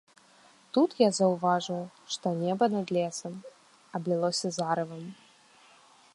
Тут я заўважыў, што неба за лесам аблілося зарывам.